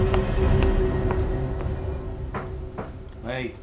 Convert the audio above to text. はい。